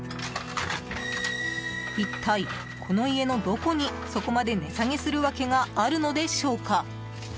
一体、この家のどこにそこまで値下げする訳があるのでしょうか。